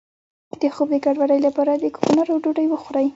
د خوب د ګډوډۍ لپاره د کوکنارو ډوډۍ وخورئ